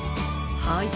はい。